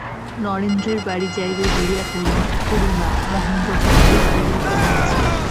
নরেন্দ্রের বাড়ি যাইবে বলিয়া করুণা মহেন্দ্রকে ভারি ধরিয়া পড়িয়াছে।